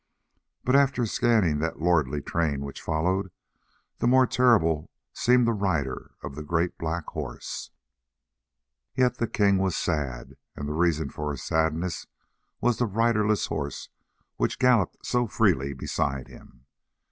But after scanning that lordly train which followed, the more terrible seemed the rider of the great black horse. Yet the king was sad, and the reason for his sadness was the riderless horse which galloped so freely beside him.